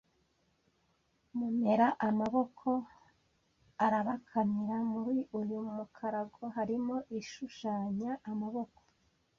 Mumera amaboko arabakamira Muri uyu mukarago harimo ishushanya: amaboko